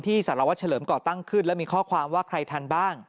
ที่สหราวะเฉลิมเปร้าะตั้งขึ้นแล้วมีข้อความว่าใครทันบ้าง